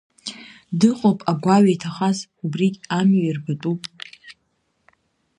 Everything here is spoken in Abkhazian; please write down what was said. Дыҟоуп агәаҩа иҭахаз, убригь амҩа ирбатәуп.